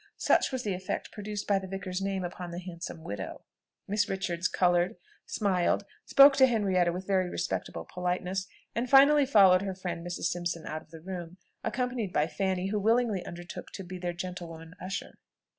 Such was the effect produced by the vicar's name upon the handsome widow. Miss Richards coloured, smiled, spoke to Henrietta with very respectful politeness, and finally followed her friend Mrs. Simpson out of the room, accompanied by Fanny, who willingly undertook to be their gentlewoman usher.